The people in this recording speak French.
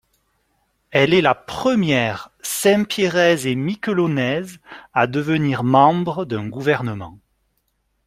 Elle est la première Saint-Pierraise-et-Miquelonnaise à devenir membre d'un gouvernement.